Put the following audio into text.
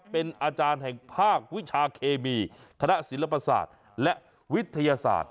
เป็นอาจารย์แห่งภาควิชาเคมีคณะศิลปศาสตร์และวิทยาศาสตร์